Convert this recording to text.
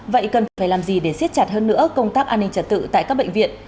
vậy cần phải làm gì để siết chặt hơn nữa công tác an ninh trật tự tại các bệnh viện